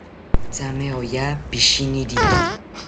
Thame oya pishiniriki